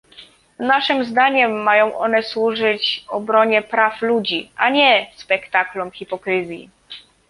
Naszym zdaniem mają one służyć obronie praw ludzi, a nie spektaklom hipokryzji